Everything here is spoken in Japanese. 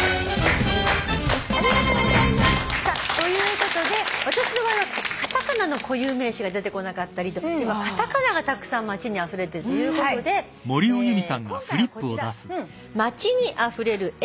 ということで私の場合はカタカナの固有名詞が出てこなかったりと今カタカナがたくさん街にあふれてるということで今回はこちら。